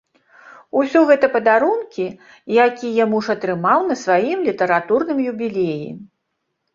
Усё гэта падарункі, якія муж атрымаў на сваім літаратурным юбілеі.